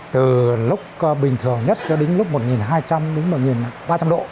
từ lúc bình thường nhất cho đến lúc một hai trăm linh đến một ba trăm linh độ